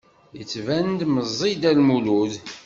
Yettban-d meẓẓi Dda Lmulud.